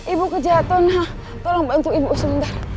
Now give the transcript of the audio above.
ibu kejahatan tolong bantu ibu sebentar